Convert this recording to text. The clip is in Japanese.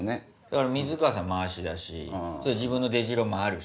だから水川さん回しだし自分の出じろもあるし。